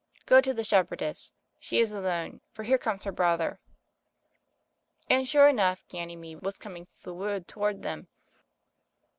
Go to the shepherdess — she is alone, for here comes her brother." And sure enough Ganymede was coming through the wood towards them.